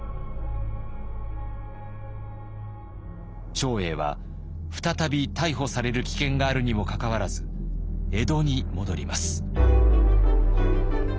長英は再び逮捕される危険があるにもかかわらず江戸に戻ります。